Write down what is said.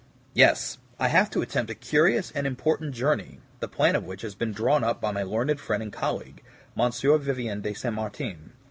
"Yes, I have to attempt a curious and important journey, the plan of which has been drawn up by my learned friend and colleague, M. Vivien de Saint Martin.